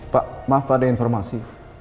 pak maaf ada informasi